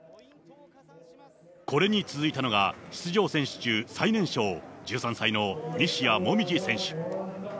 これに続いたのが、出場選手中最年少、１３歳の西矢椛選手。